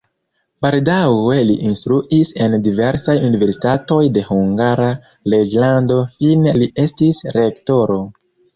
Baldaŭe li instruis en diversaj universitatoj de Hungara reĝlando, fine li estis rektoro.